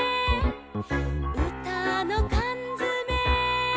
「うたのかんづめ」